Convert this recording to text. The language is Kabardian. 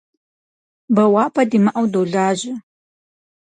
Бэуапӏэ димыӏэу долажьэ.